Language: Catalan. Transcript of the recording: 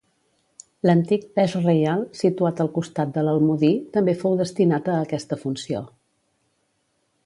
L'antic Pes Reial, situat al costat de l'Almodí, també fou destinat a aquesta funció.